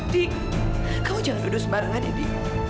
di kamu jangan berdua sembarangan ya di